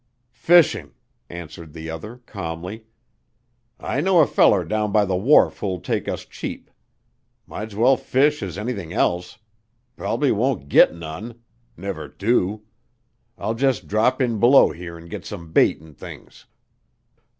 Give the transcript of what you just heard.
"Fishin'," answered the other, calmly. "I know a feller down by the wharf who'll take us cheap. Might's well fish as anything else. Prob'ly won't git none. Never do. I'll jus' drop in below here and git some bait an' things."